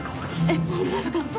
えっ本当ですか？